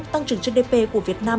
tăng trưởng gdp của việt nam